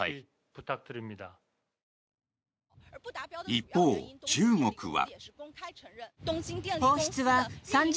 一方、中国は。